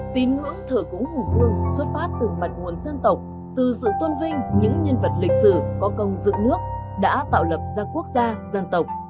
tín ngưỡng thờ cúng hùng vương xuất phát từ mạch nguồn dân tộc từ sự tôn vinh những nhân vật lịch sử có công dựng nước đã tạo lập ra quốc gia dân tộc